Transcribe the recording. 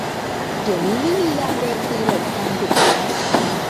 เดี๋ยวนี้ไม่มียามเดินตีเหล็กตอนดึกแล้ว